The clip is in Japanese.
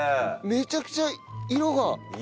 めちゃくちゃ色が鮮やか！